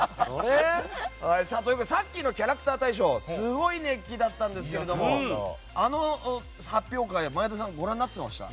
さっきのキャラクター大賞すごい熱気だったんですけどあの発表会は前田さんはご覧になっていましたか？